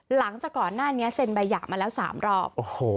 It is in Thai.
หลังจากก่อนหน้านี้เซ็นใบหย่ามาแล้ว๓รอบโอ้โห